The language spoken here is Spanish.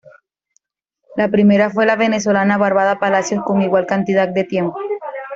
La primera fue la venezolana Bárbara Palacios con igual cantidad de tiempo.